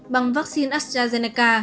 bằng vaccine astrazeneca